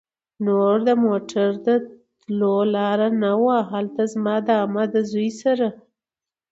نور د موټر د تلو لار نه وه. هلته زما د عمه زوی سره